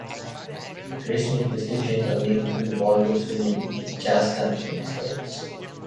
Traditionally, distinctions are made between "Ballroom Swing" and "Jazz Dance Swing" styles.